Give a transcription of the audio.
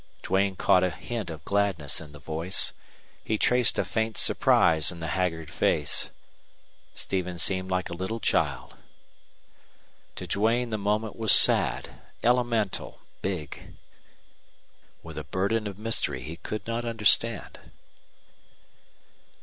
Duane caught a hint of gladness in the voice; he traced a faint surprise in the haggard face. Stevens seemed like a little child. To Duane the moment was sad, elemental, big, with a burden of mystery he could not understand.